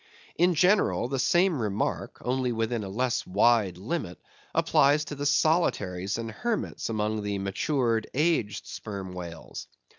In general, the same remark, only within a less wide limit, applies to the solitaries and hermits among the matured, aged sperm whales.